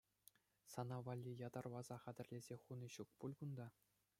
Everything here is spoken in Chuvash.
Сана валли ятарласа хатӗрлесе хуни ҫук пуль кунта?